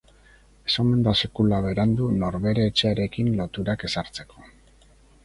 Ez omen da sekula berandu norbere etxearekin loturak ezartzeko.